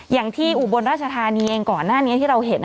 อุบลราชธานีเองก่อนหน้านี้ที่เราเห็น